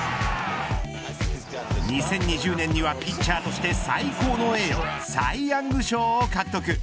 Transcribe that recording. ２０２０年にはピッチャーとして最高の栄誉サイヤング賞を獲得。